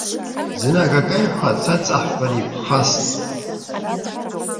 Зны акакеиҳәа саҵаҳәҳәаны иԥхасҵт.